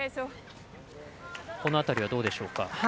この辺りはどうでしょうか？